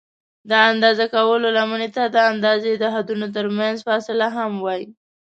د اندازه کولو لمنې ته د اندازې د حدونو ترمنځ فاصله هم وایي.